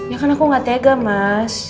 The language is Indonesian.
ya kan aku gak tega mas